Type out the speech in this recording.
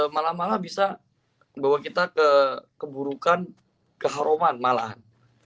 malah malah bisa bawa kita ke keburukan ke haruman malahan